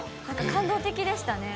感動的でしたね。